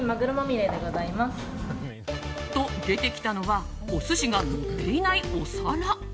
と、出てきたのはお寿司がのっていないお皿。